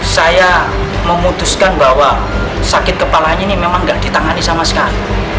saya memutuskan bahwa sakit kepalanya ini memang tidak ditangani sama sekali